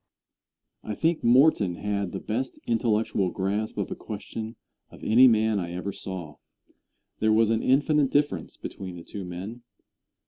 Answer. I think Morton had the best intellectual grasp of a question of any man I ever saw. There was an infinite difference between the two men.